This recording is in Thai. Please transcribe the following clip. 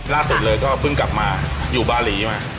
ล่าสุดเลยก็เพิ่งกลับมาอยู่บารีมา